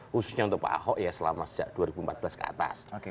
khususnya untuk pak ahok ya selama sejak dua ribu empat belas ke atas